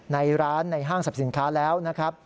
ในร้านในห้างสรรพสินค้าแล้วนะครับ